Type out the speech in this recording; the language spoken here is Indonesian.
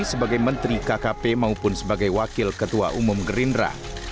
sebagai menteri kkp maupun sebagai wakil ketua umum gerindra